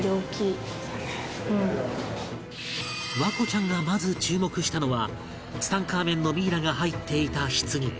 環子ちゃんがまず注目したのはツタンカーメンのミイラが入っていた棺